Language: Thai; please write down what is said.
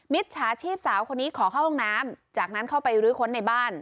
จฉาชีพสาวคนนี้ขอเข้าห้องน้ำจากนั้นเข้าไปรื้อค้นในบ้าน